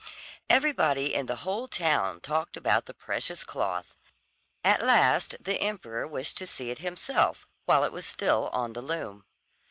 Everybody in the whole town talked about the precious cloth. At last the emperor wished to see it himself, while it was still on the loom.